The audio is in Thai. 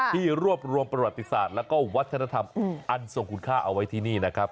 ที่รวบรวมประวัติศาสตร์แล้วก็วัฒนธรรมอันทรงคุณค่าเอาไว้ที่นี่นะครับ